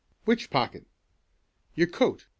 "Which pocket?" "Your coat.